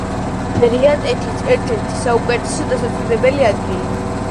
ბურიატეთის ერთ-ერთი საუკეთესო დასასვენებელი ადგილი.